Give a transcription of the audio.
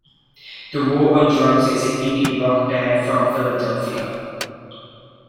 The War on Drugs is an indie-rock band from Philadelphia.